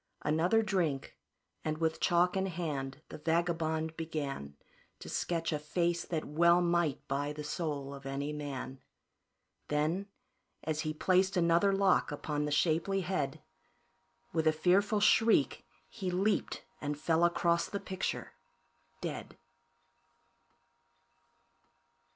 Another drink, and with chalk in hand, the vagabond began To sketch a face that well might buy the soul of any man. Then, as he placed another lock upon the shapely head, With a fearful shriek, he leaped and fell across the picture dead.